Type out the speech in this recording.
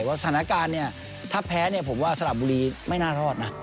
สถานการณ์ถ้าแพ้ผมว่าสลับบุรีไม่น่ารอดนะ